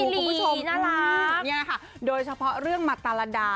นี่ค่ะโดยเฉพาะเรื่องมาตรดา